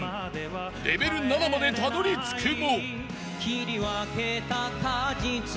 ［レベル７までたどりつくも］